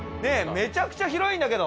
めちゃくちゃ広いんだけど！